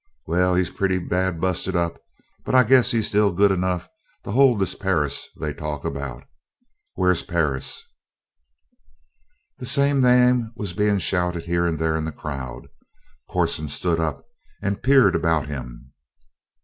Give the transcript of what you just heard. Well, he's pretty bad busted up, but I guess he's still good enough to hold this Perris they talk about. Where's Perris?" The same name was being shouted here and there in the crowd. Corson stood up and peered about him.